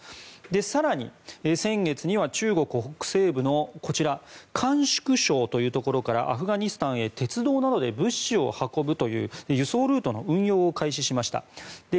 更に、先月には中国北西部の甘粛省というところからアフガニスタンへ鉄道などで物資を運ぶという輸送ルートの運用を開始しました。